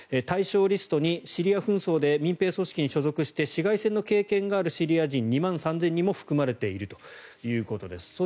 対象リストにシリア紛争で民兵組織に所属して市街戦の経験があるシリア人２万３０００人も含まれているということです。